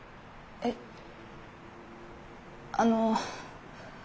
えっあの。